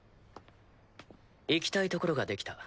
行きたい所が出来た。